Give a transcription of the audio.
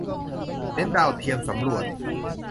เน้นดาวเทียมสำรวจ